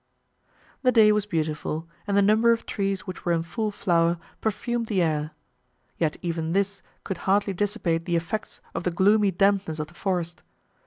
The day was beautiful, and the number of trees which were in full flower perfumed the air; yet even this could hardly dissipate the effects of the gloomy dampness of the forest.